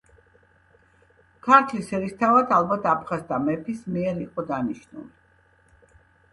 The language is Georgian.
ქართლის ერისთავად ალბათ აფხაზთა მეფის მიერ იყო დანიშნული.